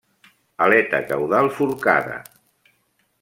Aleta caudal forcada.